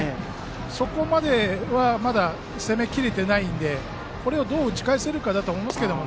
そこまではまだ攻め切れてないのでこれをどう打ち返せるかです。